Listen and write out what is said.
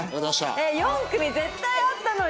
えっ４組絶対あったのに。